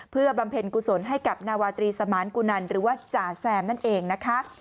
เพื่อบำเพ็ญกุศลให้กับนาวาตรีสมานกุนันหรือว่าจ่าแซมนั่นเองนะคะ